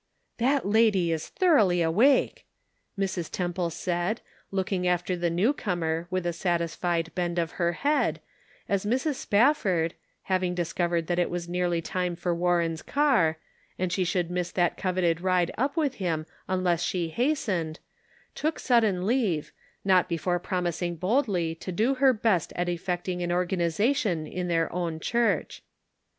" That lady is thoroughly awake," Mrs. Tem ple said, looking after the new comer with a satisfied bend of her head, as Mrs. Spafford, having discovered that it was nearly time for Warren's car, and she should miss that coveted ride up with him unless she hastened, took sudden leave, not before promising boldly to do her best at effecting an organization in their own church.